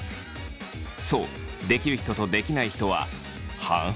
そうできる人とできない人は半々ぐらい。